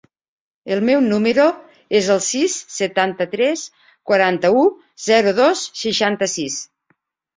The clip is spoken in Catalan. El meu número es el sis, setanta-tres, quaranta-u, zero, dos, seixanta-sis.